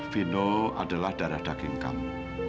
vino adalah darah daging kami